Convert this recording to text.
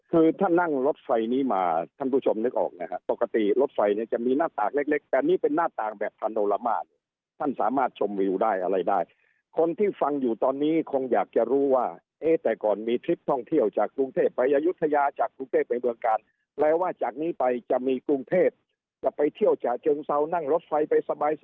คือถ้านั่งรถไฟนี้มาท่านผู้ชมนึกออกนะฮะปกติรถไฟเนี่ยจะมีหน้าต่างเล็กเล็กแต่นี่เป็นหน้าต่างแบบพันโอละมาตรท่านสามารถชมวิวได้อะไรได้คนที่ฟังอยู่ตอนนี้คงอยากจะรู้ว่าเอ๊ะแต่ก่อนมีทริปท่องเที่ยวจากกรุงเทพไปอายุทยาจากกรุงเทพไปเมืองกาลแปลว่าจากนี้ไปจะมีกรุงเทพจะไปเที่ยวฉะเชิงเซานั่งรถไฟไปสบายส